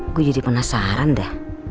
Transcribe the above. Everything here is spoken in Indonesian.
gue jadi penasaran dah